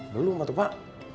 belum waktu pak